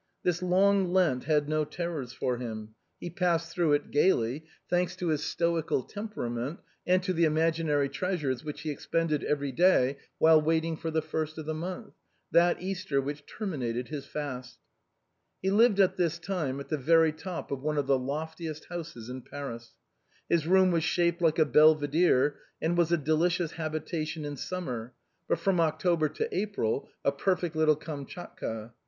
This long Lent had no terrors for him ; he passed through it gaily, thanks to his stoical tem perament and to the imaginary treasures which he expended every day while waiting for the first of the month, that Eas ter which terminated his fast. He lived at this time at the very top of one of the loftiest houses in Paris. His room was shaped like a belvidcre, and was a delicious habitation in summer, but from October to April a perfect little 106 THE BOHEMIANS OF THE LATIN QUARTER. Kamschatka.